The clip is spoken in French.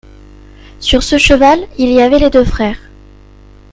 Sur ce cheval il y avait les deux frères.